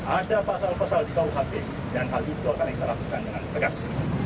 ada pasal pasal di kuhp dan hal itu akan kita lakukan dengan tegas